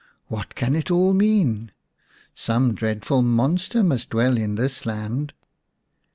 What can it all mean ? Some dreadful monster must dwell in this land."